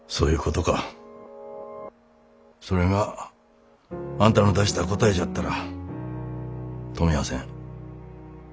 それがあんたの出した答えじゃったら止みゃあせん。